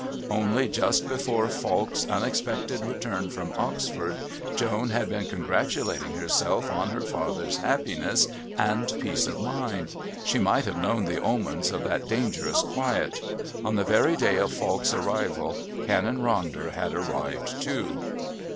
Only just before Falk's unexpected return from Oxford Joan had been congratulating herself on her father's happiness and peace of mind. She might have known the omens of that dangerous quiet. On the very day of Falk's arrival Canon Ronder had arrived too.